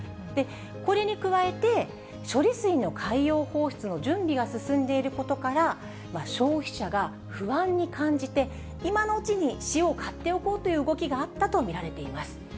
これに加えて、処理水の海洋放出の準備が進んでいることから、消費者が不安に感じて、今のうちに塩を買っておこうという動きがあったと見られています。